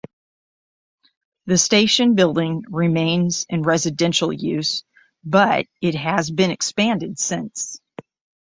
The station building remains in residential use but it has been expanded since.